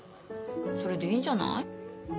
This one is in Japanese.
それでいいんじゃない？